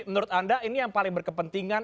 menurut anda ini yang paling berkepentingan